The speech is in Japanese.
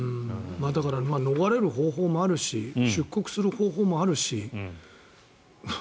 逃れる方法もあるし出国する方法もあるし。